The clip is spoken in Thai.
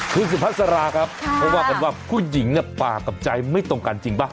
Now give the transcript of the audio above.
คุณสิบพัฒน์สราครับเพราะว่าคุณผู้หญิงปากกับใจไม่ตรงกันจริงป่ะ